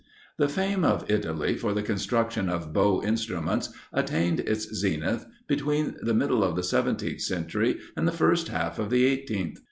The fame of Italy for the construction of bow instruments attained its zenith between the middle of the seventeenth century and the first half of the eighteenth.